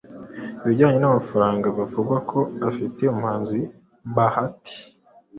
ibijyanye n’amafaranga bivugwa ko afitiye umuhanzi bahati